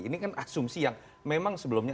ini kan asumsi yang memang sebelumnya